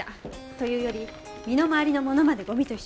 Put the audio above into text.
というより身の回りのものまでゴミと一緒に出してるの。